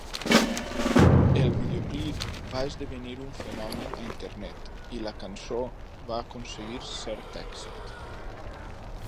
El videoclip va esdevenir un fenomen a internet i la cançó va aconseguir cert èxit.